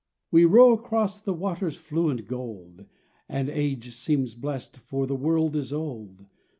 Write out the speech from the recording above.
We row across the waters' fluent gold And age seems blessed, for the world is old.